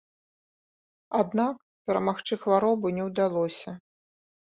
Аднак перамагчы хваробу не ўдалося.